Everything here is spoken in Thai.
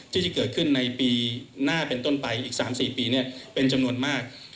ที่จะเกิดขึ้นในปีหน้าเป็นต้นไปอีก๓๔ปีเป็นจำนวนมาก